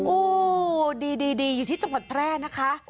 โอ้ดีอยู่ที่จังหวัดแพร่นะคะ